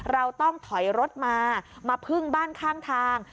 เราต้องถอยรถมามาพึ่งบ้านข้างทาง